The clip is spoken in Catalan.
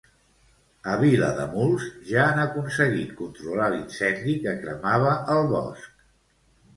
A Vilademuls ja han aconseguit controlar l'incendi que cremava el bosc.